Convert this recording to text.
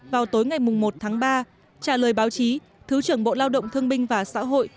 vào tối ngày một tháng ba trả lời báo chí thứ trưởng bộ lao động thương binh và xã hội